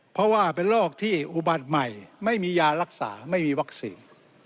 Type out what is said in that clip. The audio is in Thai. เพราะว่าเป็นโรคที่อุบัติใหม่ไม่มียารักษาไม่มีวัคซีน